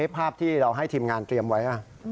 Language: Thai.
ภาพที่เราให้ทีมงานเตรียมไว้